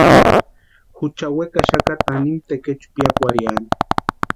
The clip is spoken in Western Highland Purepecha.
Jucha wekaxaka tanimu tekechu piakwarhiani.